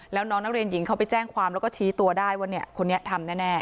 แล้วน้องนักเรียนหญิงเขาไปแจ้งความแล้วก็ชี้ตัวได้ว่าเนี่ยคนนี้ทำแน่